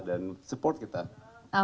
dan support kita